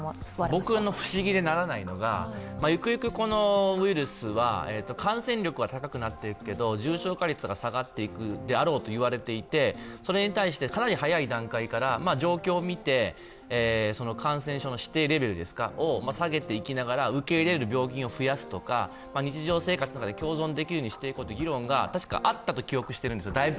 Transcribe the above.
僕、不思議でならないのが、ゆくゆく、このウイルスは感染力は高くなっていくけど重症化率が下がっていくであろうと言われていてそれに対してかなり早い段階から状況を見て感染症の指定レベルを下げていきながら受け入れる病院を増やすとか、日常生活とかで共存していけるかという議論がだいぶ前からあったと思うんです。